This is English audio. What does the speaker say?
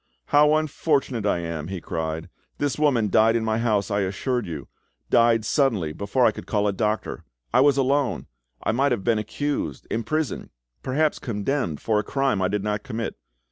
"How unfortunate I am!" he cried. "This woman died in my house, I assure you—died suddenly, before I could call a doctor. I was alone; I might have been accused, imprisoned, perhaps condemned for a crime I did not commit.